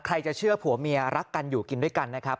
จะเชื่อผัวเมียรักกันอยู่กินด้วยกันนะครับ